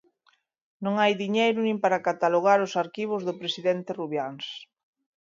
Non hai diñeiro nin para catalogar os arquivos do presidente Rubiáns.